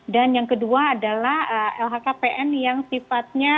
dan yang kedua adalah lhkpn yang sifatnya